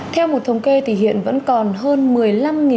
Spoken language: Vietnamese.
theo một thống kê thì hiện vẫn còn hơn